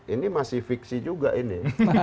ini masih fiksi juga ini